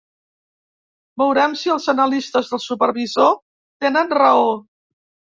Veurem si els analistes del supervisor tenen raó.